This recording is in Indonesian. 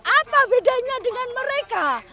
apa bedanya dengan mereka